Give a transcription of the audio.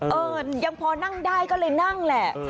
เออยังพอนั่งได้ก็เลยนั่งแหละ